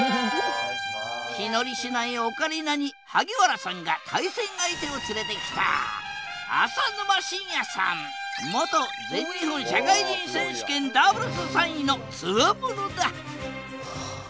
気乗りしないオカリナに萩原さんが対戦相手を連れてきた元全日本社会人選手権ダブルス３位のツワモノだ！